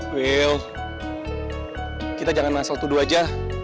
wil kita jangan langsung tuduh aja